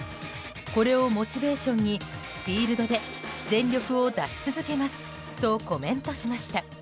これをモチベーションにフィールドで全力を出し続けますとコメントしました。